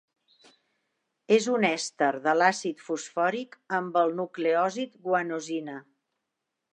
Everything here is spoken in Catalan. És un èster de l'àcid fosfòric amb el nucleòsid guanosina.